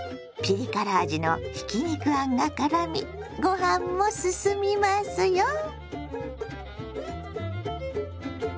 ピリ辛味のひき肉あんがからみご飯もすすみますよ。